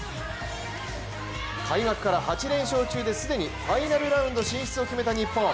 開幕から８連勝中で、既にファイナルラウンド進出を決めた日本。